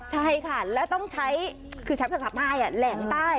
ใช่ค่ะแล้วต้องใช้คือใช้ภาษาใต้แหล่งใต้